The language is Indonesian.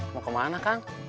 mau kemana kang